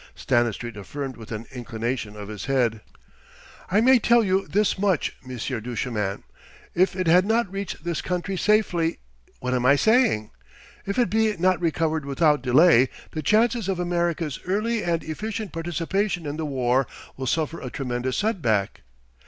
Stanistreet affirmed with an inclination of his head. "I may tell you this much, Monsieur Duchemin: if it had not reached this country safely.... What am I saying? If it be not recovered without delay, the chances of America's early and efficient participation in the war will suffer a tremendous setback